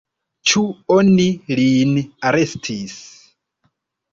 Ĉu oni lin arestis?